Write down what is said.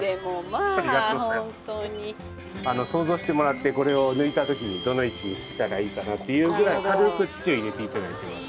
想像してもらってこれを抜いた時にどの位置にしたらいいかなっていうぐらい軽く土を入れて頂いてまず。